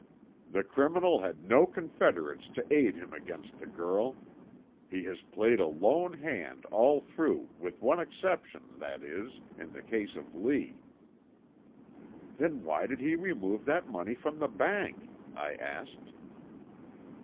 "The criminal had no confederates to aid him against the girl. He has played a lone hand all through with one exception, that is, in the case of Lee." "Then why did he remove that money from the bank?" I asked.